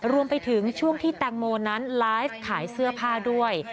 รวมไปถึงช่วงที่แตงโมนั้นไลฟ์ขายเสื้อผ้าด้วย